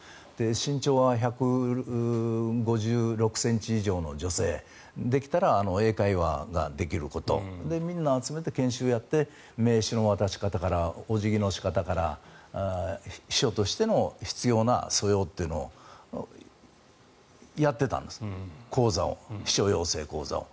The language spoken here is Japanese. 身長は１５６ｃｍ以上の女性できたら英会話ができることみんな集めて研修をやって名刺の渡し方からお辞儀の仕方から秘書としての必要な素養というのをやっていたんです、講座を秘書養成講座を。